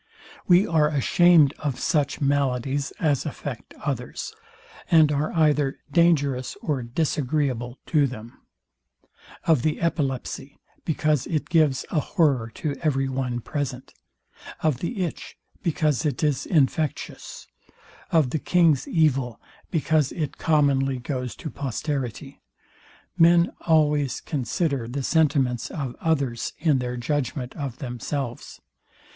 We are ashamed of such maladies as affect others, and are either dangerous or disagreeable to them. Of the epilepsy; because it gives a horror to every one present: Of the itch; because it is infectious: Of the king's evil; because it commonly goes to posterity. Men always consider the sentiments of others in their judgment of themselves.